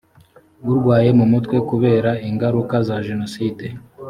arwaye mu mutwe kubera ingaruka za jenoside